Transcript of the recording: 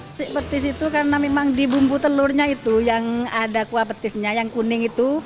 petik petis itu karena memang di bumbu telurnya itu yang ada kuah petisnya yang kuning itu